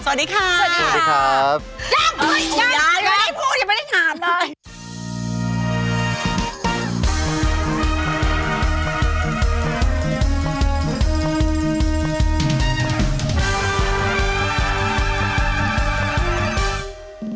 สวัสดีครับสวัสดีครับสวัสดีครับ